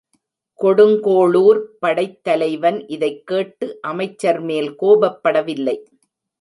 கொடுங்கோளுர்ப் படைத் தலைவன் இதைக் கேட்டு அமைச்சர் மேல் கோபப்படவில்லை.